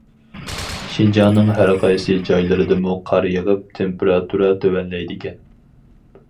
شىنجاڭنىڭ ھەر قايسى جايلىرىدىمۇ قار يېغىپ تېمپېراتۇرا تۆۋەنلەيدىكەن.